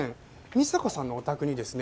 美沙子さんのお宅にですね